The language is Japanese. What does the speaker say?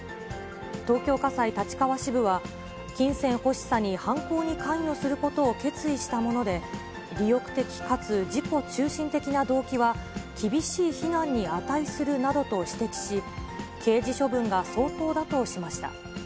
東京家裁立川支部は、金銭欲しさに犯行に関与することを決意したもので、利欲的かつ自己中心的な動機は、厳しい非難に値するなどと指摘し、刑事処分が相当だとしました。